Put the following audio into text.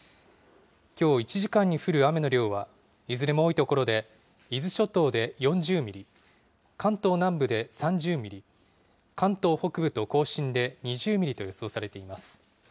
きょう１時間に降る雨の量は、いずれも多い所で、伊豆諸島で４０ミリ、関東南部で３０ミリ、関東北部と甲信で２０ミリと予想されています。